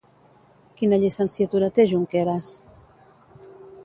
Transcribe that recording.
Quina llicenciatura té, Junqueras?